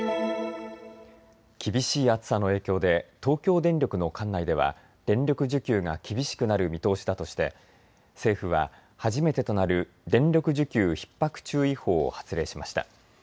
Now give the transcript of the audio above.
厳しい暑さの影響で東京電力の管内では電力需給が厳しくなる見通しだとして政府は初めてとなる電力需給ひっ迫注意報を発令しました。